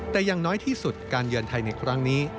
แต่อย่างน้อยที่สุดการเยือนไทยในครั้งนี้